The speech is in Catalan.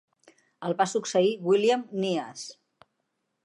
El va succeir William Kneass.